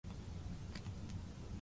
エソンヌ県の県都はエヴリーである